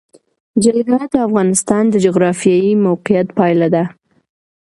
جلګه د افغانستان د جغرافیایي موقیعت پایله ده.